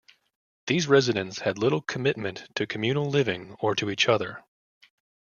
These residents had little commitment to communal living or to each other.